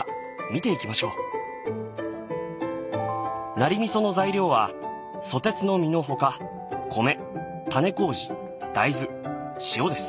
ナリ味噌の材料はソテツの実の他米種麹大豆塩です。